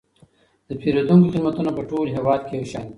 د پیرودونکو خدمتونه په ټول هیواد کې یو شان دي.